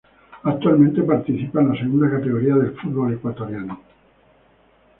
Actualmente participa en la Segunda Categoría del fútbol ecuatoriano.